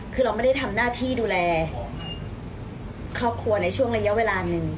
คือเราไม่ได้ทำหน้าที่ดูแลครอบครัวในช่วงระยะเวลาหนึ่ง